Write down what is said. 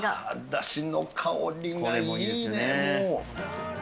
だしの香りがいいね、もう。